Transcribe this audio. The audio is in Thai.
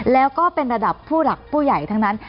แล้วก็เป็นระดับผู้หลักผู้ใหญ่ทั้งนั้น